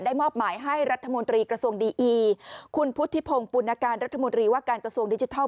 มอบหมายให้รัฐมนตรีกระทรวงดีอีคุณพุทธิพงศ์ปุณการรัฐมนตรีว่าการกระทรวงดิจิทัล